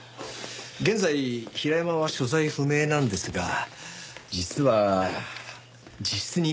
現在平山は所在不明なんですが実は自室にこんな金具が。